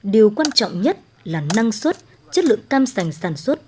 điều quan trọng nhất là năng suất chất lượng cam sành sản xuất